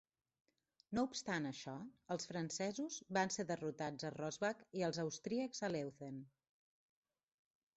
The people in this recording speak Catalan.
No obstant això, els francesos van ser derrotats a Rossbach i els austríacs a Leuthen.